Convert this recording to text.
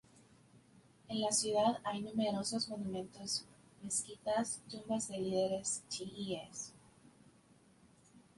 En la ciudad hay numerosos monumentos, mezquitas, tumbas de líderes chiíes.